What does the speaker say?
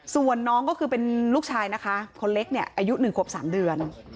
ส่วนน้องก็คือเป็นลูกชายนะคะคนเล็กเนี่ยอายุ๑ขวบ๓เดือน